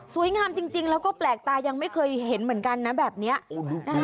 งามจริงแล้วก็แปลกตายังไม่เคยเห็นเหมือนกันนะแบบนี้นะคะ